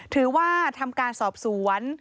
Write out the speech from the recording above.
ถือว่าทำการสอบสวน